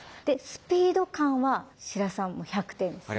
スピード感は白洲さんが１００点です。